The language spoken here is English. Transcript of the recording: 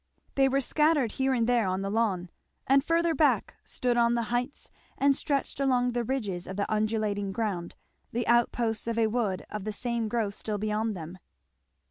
They were scattered here and there on the lawn, and further back stood on the heights and stretched along the ridges of the undulating ground, the outposts of a wood of the same growth still beyond them.